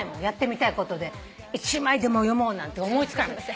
やってみたいことで１枚でも読もうなんて思い付かない。